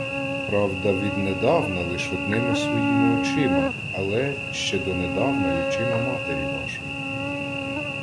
Правда, віднедавна лиш одними своїми очима, але ще донедавна й очима матері вашої.